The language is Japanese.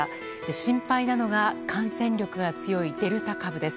心配なのが感染力が強いデルタ株です。